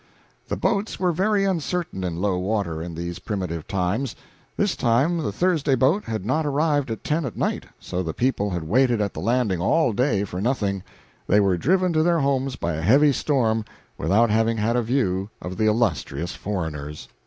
The boats were very uncertain in low water, in these primitive times. This time the Thursday boat had not arrived at ten at night so the people had waited at the landing all day for nothing; they were driven to their homes by a heavy storm without having had a view of the illustrious foreigners.